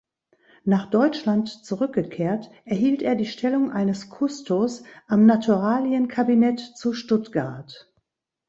Nach Deutschland zurückgekehrt, erhielt er die Stellung eines Kustos am Naturalienkabinett zu Stuttgart.